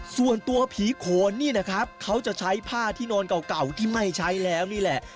ส่วนตัวผีโขนนี่นะครับเขาจะใช้ผ้าที่นอนเก่าที่ไม่ใช้แล้วนี่แหละ